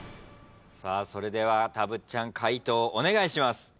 それではたぶっちゃん解答お願いします。